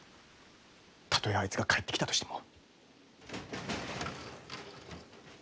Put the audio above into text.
たとえあいつが帰ってきたとしても。